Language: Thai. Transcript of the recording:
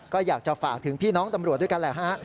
ก็อยากจะฝากถึงพี่น้องตำรวจด้วยกันแหละฮะ